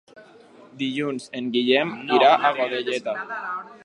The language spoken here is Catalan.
Dilluns en Guillem irà a Godelleta.